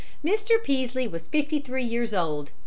Mr. Peaslee was fifty three years old.